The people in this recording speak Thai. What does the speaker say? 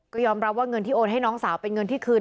ก็ยอมรับว่าเงินที่โอนให้น้องสาวเป็นเงินที่คืน